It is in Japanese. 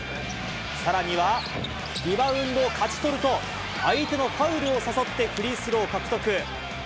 さらには、リバウンドを勝ち取ると、相手のファウルを誘ってフリースロー獲得。